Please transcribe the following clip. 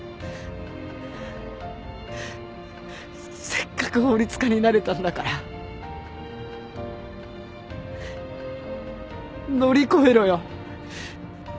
せっかく法律家になれたんだから乗り越えろよ。